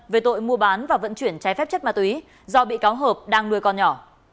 về tội mua bán và vận chuyển trái phép chất ma túy do bị cáo hợp đang nuôi con nhỏ